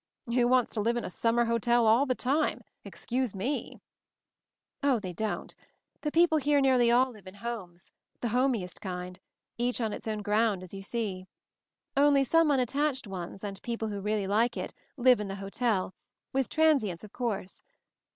"Who wants to live in a summer hotel all the time ? Excuse met 3 * "O, they don't. The people here nearly all live in 'homes' — the homiest kind — each on its own ground, as you see. Only some unattached ones, and people who really like it, live in the hotel — with transients, of course.